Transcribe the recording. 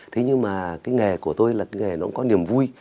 thế nhưng mà cái nghề của tôi là cái nghề nó cũng có niềm vui